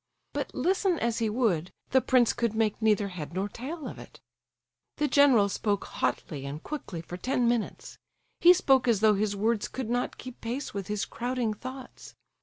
But listen as he would, the prince could make neither head nor tail of it. The general spoke hotly and quickly for ten minutes; he spoke as though his words could not keep pace with his crowding thoughts.